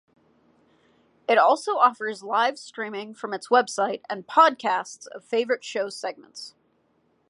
It also offers live streaming from its website and podcasts of favorite show segments.